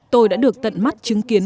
tôi đã được tận mắt chứng kiến